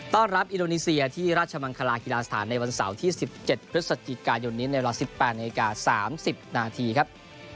รับอินโดนีเซียที่ราชมังคลากีฬาสถานในวันเสาร์ที่๑๗พฤศจิกายนนี้ในเวลา๑๘นาที๓๐นาทีครับ